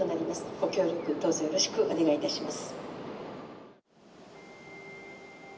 ご協力、どうぞよろしくお願い申し上げます。